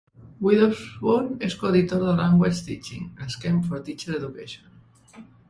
Widdowson és coeditor de "Language Teaching: A Scheme for Teacher Education".